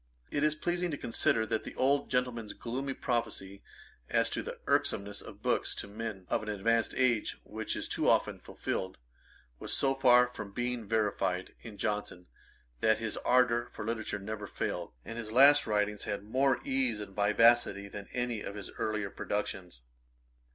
It is pleasing to consider that the old gentleman's gloomy prophecy as to the irksomeness of books to men of an advanced age, which is too often fulfilled, was so far from being verified in Johnson, that his ardour for literature never failed, and his last writings had more ease and vivacity than any of his earlier productions.